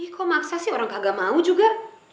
kok maksa sih orang kagak mau juga